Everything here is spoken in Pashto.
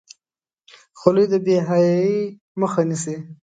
خولۍ د بې حیايۍ مخه نیسي.